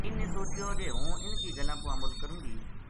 پروین نے سوچیو جے ہوں اِنھ کی گلاں پو عمل کروں گی